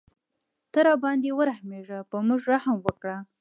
ته راباندې ورحمېږه په موږ رحم وکړه.